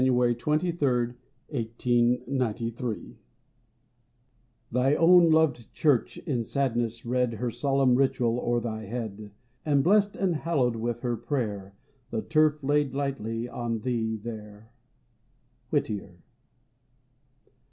23, 1893.] Thy own loved Church in sadness read Her solemn ritual o'er thy head, And, blessed and hallowed with her prayer, The turf laid lightly on thee there. Whittier.